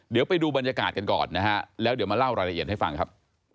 เดี๋ยวไปดูบรรยากาศกันก่อนนะฮะแล้วเดี๋ยวมาเล่ารายละเอียดให้ฟังครับ